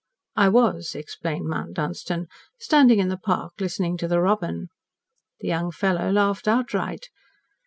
"I was," explained Mount Dunstan. "Standing in the park listening to the robin." The young fellow laughed outright.